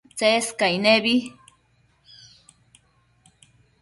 Tsescaic nebi